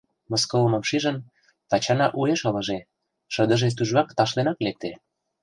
Мыскылымым шижын, Тачана уэш ылыже, шыдыже тӱжвак ташленак лекте.